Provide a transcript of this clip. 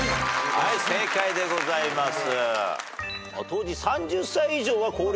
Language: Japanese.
はい正解でございます。